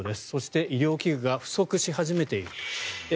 そして検査器具が不足し始めている。